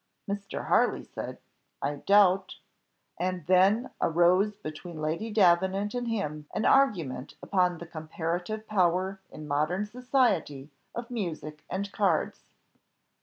Mr. Harley said, "I doubt," and then arose between Lady Davenant and him an argument upon the comparative power in modern society of music and cards.